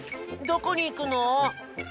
どこにいくの？